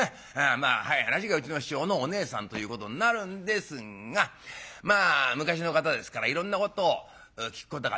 まあ早い話がうちの師匠のおねえさんということになるんですがまあ昔の方ですからいろんなことを聞くことができる。